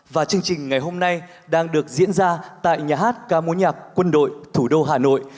và chương trình ngày hôm nay đang được diễn ra tại nhà hát ca mối nhạc quân đội thủ đô hà nội